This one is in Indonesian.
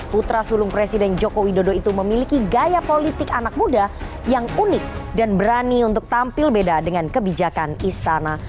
putra sulung presiden joko widodo itu memiliki gaya politik anak muda yang unik dan berani untuk tampil beda dengan kebijakan istana